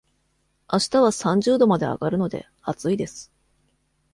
あしたは三十度まで上がるので、暑いです。